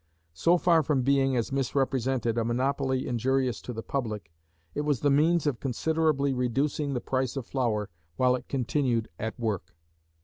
So far from being, as misrepresented, a monopoly injurious to the public, it was the means of considerably reducing the price of flour while it continued at work.